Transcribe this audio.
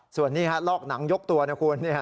ส่วนนี้ลอกหนังยกตัวนะคุณ